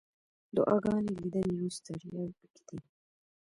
دعاګانې، لیدنې، او ستړیاوې پکې دي.